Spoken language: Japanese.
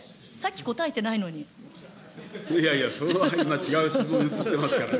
いやいや、それは今、違う質問に移ってますからね。